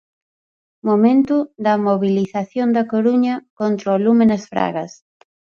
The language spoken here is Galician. Momento da mobilización da Coruña contra o lume nas Fragas.